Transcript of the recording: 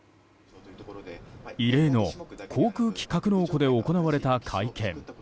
異例の航空機格納庫で行われた会見。